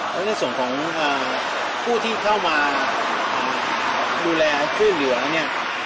แล้วที่จะส่งของผู้ที่เข้ามาดูแลเพื่อนเหลือเนี่ย